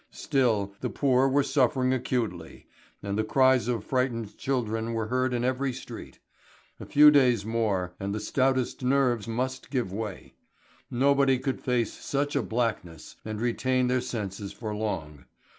Still the poor were suffering acutely, and the cries of frightened children were heard in every street. A few days more and the stoutest nerves must give way. Nobody could face such a blackness and retain their senses for long.